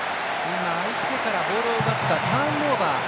相手からボールを奪ったターンオーバー。